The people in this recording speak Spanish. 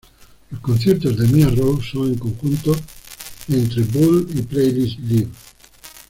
Los conciertos de Mia Rose son en conjunto, entre Red Bull y Playlist live.